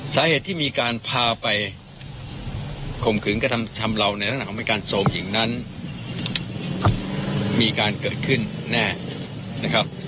สาเหตุที่มีการพาไปคมขึ้นกระทำเราในขณะของแม่การโทรมอย่างนั้นมีการเกิดขึ้นแน่นะครับ